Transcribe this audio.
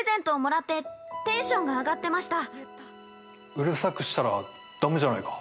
◆うるさくしたらだめじゃないか。